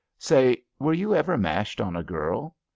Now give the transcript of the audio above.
Say, were you ever mashed on a girl?